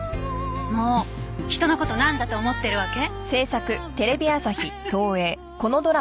もう人の事をなんだと思ってるわけ？